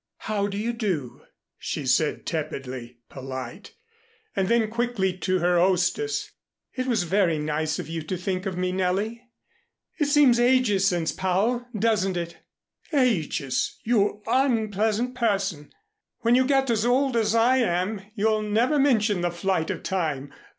"How do you do," she said, tepidly polite, and then quickly to her hostess. "It was very nice of you to think of me, Nellie. It seems ages since Pau, doesn't it?" "Ages! You unpleasant person. When you get as old as I am, you'll never mention the flight of time.